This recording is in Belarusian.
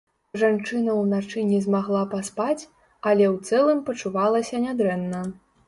Жанчына ўначы не змагла паспаць, але ў цэлым пачувалася нядрэнна.